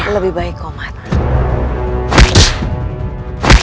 lebih baik kau mati